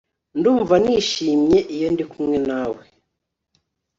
Ndumva nishimye iyo ndi kumwe nawe